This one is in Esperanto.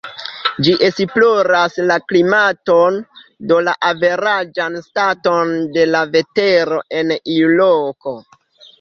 Ĝi esploras la klimaton, do la averaĝan staton de la vetero en iu loko.